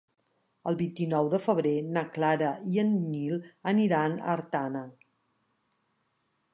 El vint-i-nou de febrer na Clara i en Nil aniran a Artana.